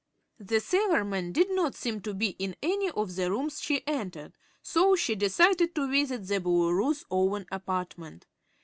The sailorman did not seem to be in any of the rooms she entered, so she decided to visit the Boolooroo's own apartments.